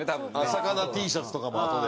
魚Ｔシャツとかもあとで。